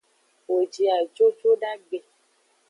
Wo ji ajo jodagbe.